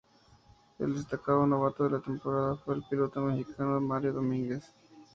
El destacado novato de la temporada, fue el piloto mexicano Mario Domínguez.